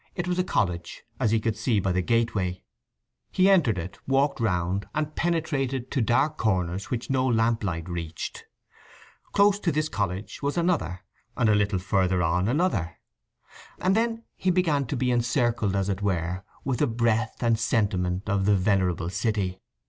It was a college, as he could see by the gateway. He entered it, walked round, and penetrated to dark corners which no lamplight reached. Close to this college was another; and a little further on another; and then he began to be encircled as it were with the breath and sentiment of the venerable city.